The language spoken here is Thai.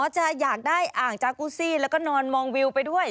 จะอยากได้อ่างจากูซี่แล้วก็นอนมองวิวไปด้วย